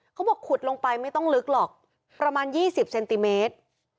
เขาบอกขุดลงไปไม่ต้องลึกหรอกประมาณ๒๐เซนติเมตร